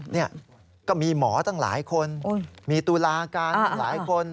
นี่ก็มีหมอตั้งหลายคนมีตุลาการหลายคน